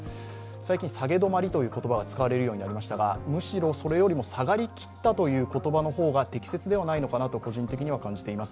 最近、下げ止まりという言葉が使われるようになりましたがむしろそれよりも下がりきったという言葉の方が適切ではないのかなと、個人的には感じています。